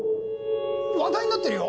話題になってるよ